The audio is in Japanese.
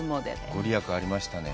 ご利益ありましたね。